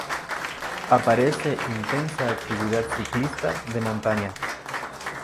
Aparece intensa actividad ciclista de montaña.